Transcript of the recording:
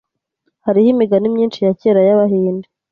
Hariho imigani myinshi ya kera y'Abahinde.